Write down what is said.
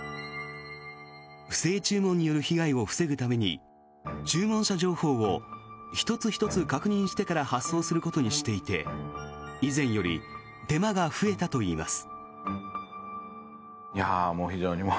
不正注文による被害を防ぐために注文者情報を１つ１つ確認してから発送することにしていて以前より手間が増えたといいます。